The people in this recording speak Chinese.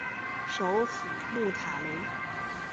首府穆塔雷。